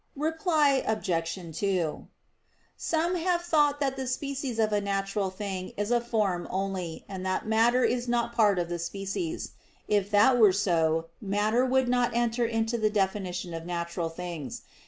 Reply Obj. 2: Some have thought that the species of a natural thing is a form only, and that matter is not part of the species. If that were so, matter would not enter into the definition of natural things.